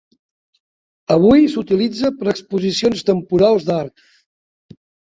Avui s'utilitza per a exposicions temporals d'art.